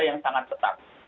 yang sangat ketat